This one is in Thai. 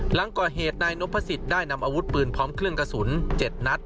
หลังก่อเหตุนายนพสิทธิ์ได้นำอาวุธปืนพร้อมเครื่องกระสุน๗นัด